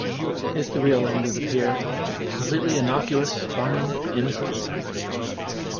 It's real end of the pier, completely innocuous, fun, innocent stuff.